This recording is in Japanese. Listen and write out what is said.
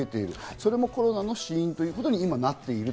それもコロナの死因ということに今なっていると。